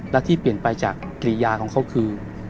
และที่เปลี่ยนไปจากกรียาของเขาคือ